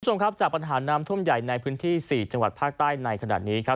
คุณผู้ชมครับจากปัญหาน้ำท่วมใหญ่ในพื้นที่๔จังหวัดภาคใต้ในขณะนี้ครับ